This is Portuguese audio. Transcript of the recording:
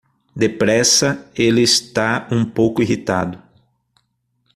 Depressa, ele está um pouco irritado.